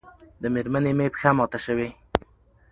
د مېرمنې مې پښه ماته شوې